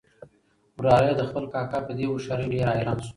وراره یې د خپل کاکا په دې هوښیارۍ ډېر حیران شو.